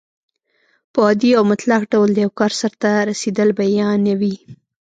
په عادي او مطلق ډول د یو کار سرته رسېدل بیانیوي.